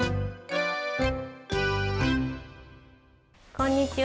こんにちは。